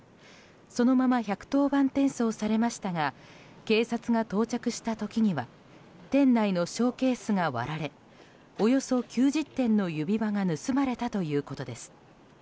そのまま１１０番転送されましたが警察が到着した時には店内のショーケースが割られおよそ９０点の指輪が盗まれたということです。